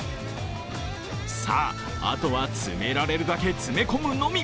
さあ、あとは詰められるだけ詰め込むのみ。